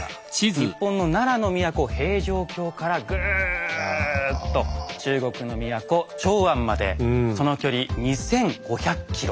日本の奈良の都平城京からぐぅっと中国の都長安までその距離２，５００ｋｍ。